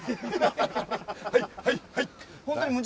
はいはいはいって。